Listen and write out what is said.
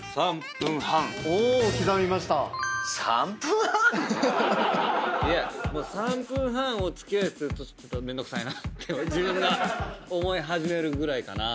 ３分半⁉３分半を付き合うとするとちょっとめんどくさいなって自分が思い始めるぐらいかな。